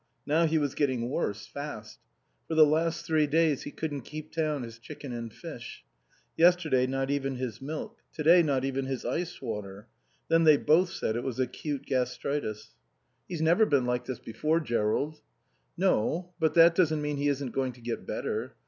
Now he was getting worse, fast. For the last three days he couldn't keep down his chicken and fish. Yesterday not even his milk. To day, not even his ice water. Then they both said it was acute gastritis. "He's never been like this before, Jerrold." "No. But that doesn't mean he isn't going to get better.